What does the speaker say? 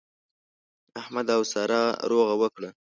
احمد او سارا روغه وکړه.